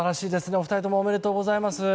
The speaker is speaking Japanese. お二人ともおめでとうございます。